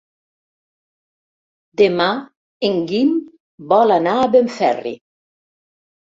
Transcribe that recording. Demà en Guim vol anar a Benferri.